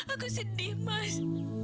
aku sedih mas